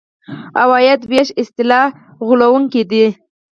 عوایدو وېش اصطلاح غولوونکې ده.